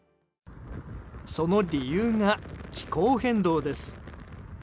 その理由が、気候変動です。